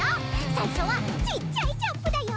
さいしょはちっちゃいジャンプだよ！